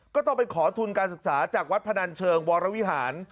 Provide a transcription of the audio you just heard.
ก็ต้องไปขอทุนการศึกษาจากวัดพนันเชิงวรวิหาร